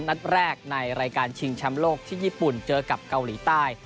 นัดแรกในรายการชิงแชมป์โลกที่ญี่ปุ่นเจอกับเกาหลีใต้